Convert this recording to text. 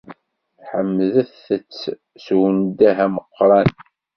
Ḥemdet- t s undah ameqqran.